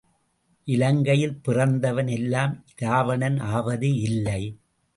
இலங்கையில் பிறந்தவன் எல்லாம் இராவணன் ஆவது இல்லை.